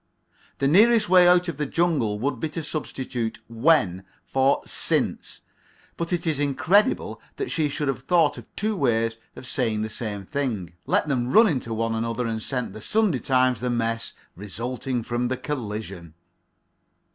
The nearest way out of the jungle would be to substitute "when" for "since." But it is incredible that she should have thought of two ways of saying the same thing, let them run into one another, and sent "The Sunday Times" the mess resulting from the collision.